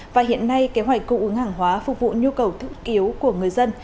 và hiện nay kế hoạch cung ứng hàng hóa phục vụ nhu cầu thức cứu của người dân